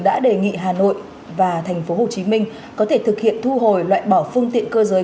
đã đề nghị hà nội và tp hcm có thể thực hiện thu hồi loại bỏ phương tiện cơ giới